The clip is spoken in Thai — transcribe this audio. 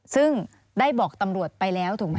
ซึ่งได้บอกตำรวจไปแล้วถูกไหมค